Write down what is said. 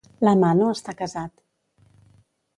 L'Amano està casat.